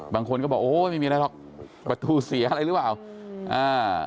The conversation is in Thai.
บางคนก็บอกโอ้ยไม่มีอะไรหรอกประตูเสียอะไรหรือเปล่าอ่า